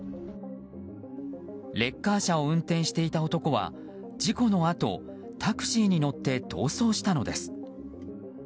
レッカー車を運転していた男は事故のあと、タクシーに乗って逃走したのです。